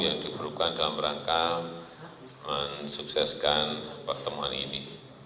yang diperlukan dalam rangka mensukseskan pertemuan ini